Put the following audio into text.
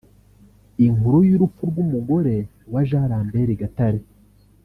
Inkuru y’urupfu rw’umugore wa Jean Lambert Gatare